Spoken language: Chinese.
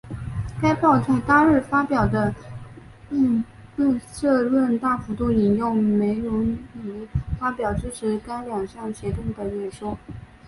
该报在当日发表的社论大幅度引用梅隆尼发表支持该两项协定的演说。